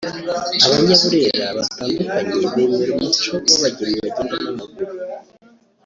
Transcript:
Abanyaburera batandukanye bemera umuco w’abageni bagenda n’amaguru